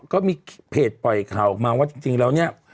ก็มีเพจปล่อยข่าวออกมาว่าจริงแล้วเนี่ย